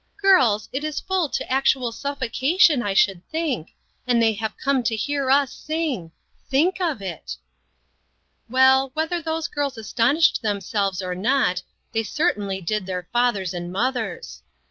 " Girls, it is full to actual suffocation, I should think; and they have come to hear us sing. Think of it!" Well, whether those girls astonished them selves or not, they certainly did their fath ers and mothers.